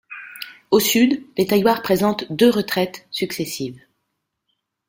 Au sud, les tailloirs présentent deux retraites successives.